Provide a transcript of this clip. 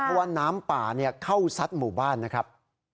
เพราะว่าน้ำป่าเข้าซัดหมู่บ้านนะครับ